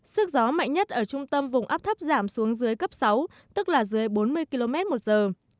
sức gió mạnh nhất ở trung tâm vùng áp thấp giảm xuống dưới cấp sáu tức là dưới bốn mươi km một giờ